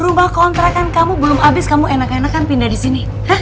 rumah kontrakan kamu belum habis kamu enak enakan pindah disini